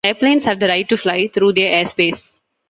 Airplanes have the right to fly through their airspace.